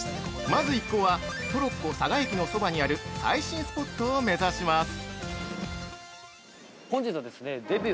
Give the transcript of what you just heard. ◆まず一行はトロッコ嵯峨駅のそばにある最新スポットを目指します。